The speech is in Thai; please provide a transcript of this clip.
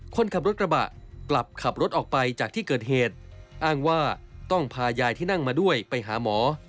คนขับรถกระบะกลับขับรถออกไปจากที่เกิดเหตุอ้างว่าต้องพายายที่นั่งมาด้วยไปหาหมอ